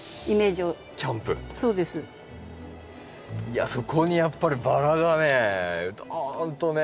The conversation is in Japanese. いやそこにやっぱりバラがねドーンとね。